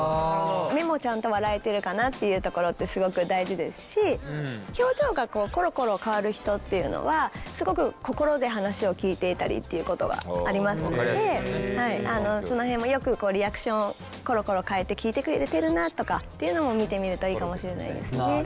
目もちゃんと笑えてるかなっていうところってすごく大事ですし表情がコロコロ変わる人っていうのはすごく心で話を聞いていたりっていうことがありますのでその辺もよくリアクションコロコロ変えて聞いてくれてるなとかっていうのも見てみるといいかもしれないですね。